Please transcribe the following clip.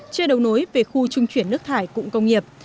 chưa đầu nối về khu trung chuyển nước thải cụng công nghiệp